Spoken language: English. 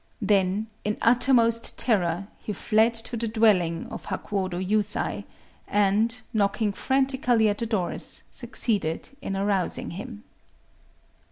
Then, in uttermost terror, he fled to the dwelling of Hakuōdō Yusai, and, knocking frantically at the doors, succeeded in arousing him.